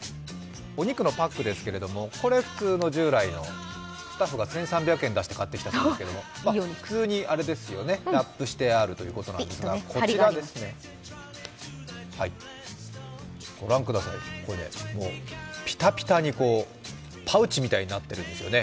お肉のパックですが、これは普通の従来のスタッフが１３００円出して買ってきたんですけども、普通にラップしてあるということなんですが、こちらご覧ください、これピタピタにパウチみたいになってるんですよね。